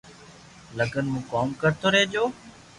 لگن مون ڪوم ڪرتو رھجو